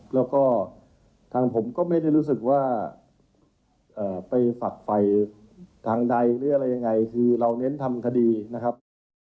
แล้วก็ทางผมก็ไม่ได้รู้สึกว่าไปฝักไฟทางใดหรืออะไรยังไงคือเราเน้นทำคดีนะครับ